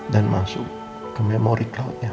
dan masuk ke memori cloud nya roh